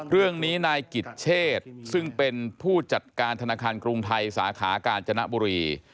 เรื่องนี้นายกิจเชษซึ่งเป็นผู้จัดการธนาคารกรุงไทยสาขากาญจนบุรี